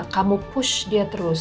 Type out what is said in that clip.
kamu push dia terus